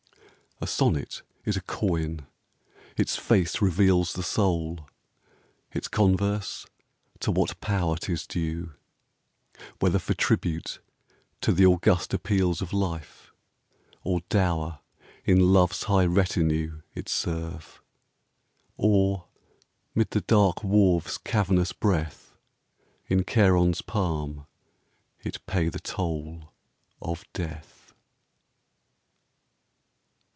A Sonnet is a coin: its face reveals The soul, its converse, to what Power 'tis due: Whether for tribute to the august appeals Of Life, or dower in Love's high retinue, It serve, or, 'mid the dark wharf's cavernous breath, In Charon's palm it pay the toll of Death.